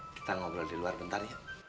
kita ngobrol di luar bentar ya